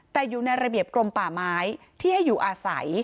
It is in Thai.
แต่อยู่ในระเบียบกรมป่าไม้ที่ให้อยู่อาศัย